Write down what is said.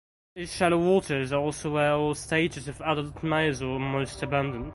These shallow waters are also where all stages of adult males were most abundant.